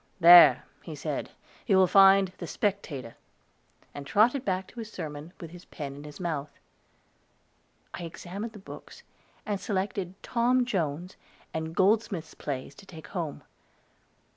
"There," he said, "you will find 'The Spectator,'" and trotted back to his sermon, with his pen in his mouth. I examined the books, and selected Tom Jones and Goldsmith's Plays to take home.